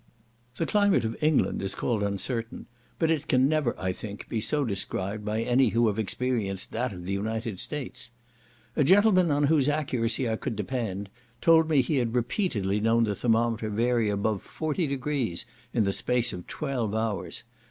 The climate of England is called uncertain, but it can never, I think, be so described by any who have experienced that of the United States. A gentleman, on whose accuracy I could depend, told me he had repeatedly known the thermometer vary above 40 degrees in the space of twelve hours.